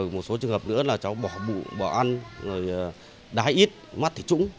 một số trường hợp nữa là cháu bỏ bụng bỏ ăn đái ít mắt thị trũng